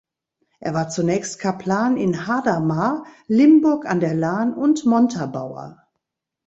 Er war zunächst Kaplan in Hadamar, Limburg an der Lahn und Montabaur.